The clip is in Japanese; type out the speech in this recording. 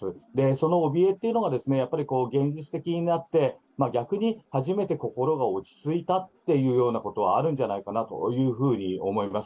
そのおびえっていうのがですね、現実的になって、逆に初めて心が落ち着いたというようなことはあるんじゃないかなというふうに思います。